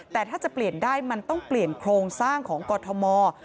แต่ถ้าจะเปลี่ยนได้มันต้องเปลี่ยนโครงสร้างของกรทม